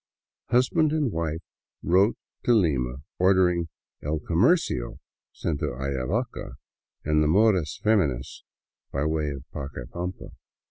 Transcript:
Husband and wife wrote to Lima ordering " El Comercio'* sent to Ayavaca and the " Modas Femininas" by way of Pacaipampa.